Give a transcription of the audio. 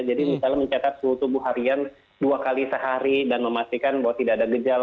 jadi misalnya mencetak suhu tubuh harian dua kali sehari dan memastikan bahwa tidak ada gejala